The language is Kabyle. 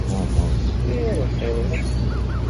Xtir lxir.